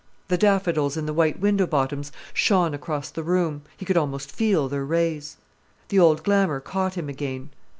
The daffodils in the white window bottoms shone across the room, he could almost feel their rays. The old glamour caught him again.